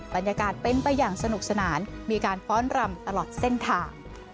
บรรยากาศเป็นไปอย่างสนุกสนานมีการฟ้อนรำตลอดเส้นทาง